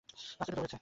রাস্তায় ঢুকে পড়ছে।